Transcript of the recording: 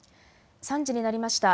３時になりました。